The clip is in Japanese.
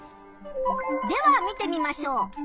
では見てみましょう。